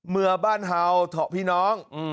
เมื่อบ้านฮาวเถอะพี่น้อง